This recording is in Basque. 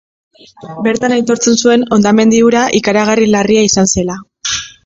Bertan aitortzen zuen hondamendi hura ikaragarri larria izan zela.